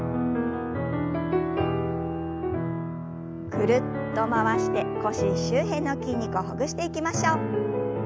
ぐるっと回して腰周辺の筋肉をほぐしていきましょう。